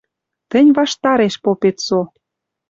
Тӹнь ваштареш попет со.